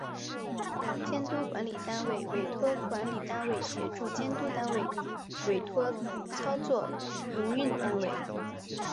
监督管理单位委托管理单位协助监督单位委托操作营运单位